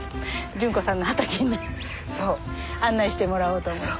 潤子さんの畑に案内してもらおうと思って。